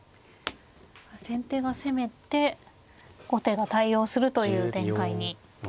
先手が攻めて後手が対応するという展開になりましたね。